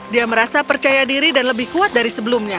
dia merasa percaya diri dan lebih kuat dari sebelumnya